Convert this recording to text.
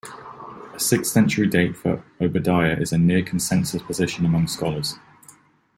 A sixth-century date for Obadiah is a "near consensus" position among scholars.